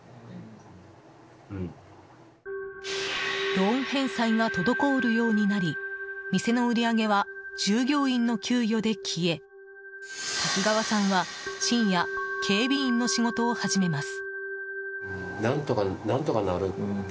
ローン返済が滞るようになり店の売り上げは従業員の給与で消え滝川さんは深夜警備員の仕事を始めます。